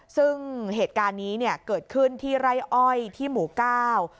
ซึ่งเหตุการณ์นี้เนี่ยเกิดขึ้นที่ไร่อ้อยที่หมู่เก้า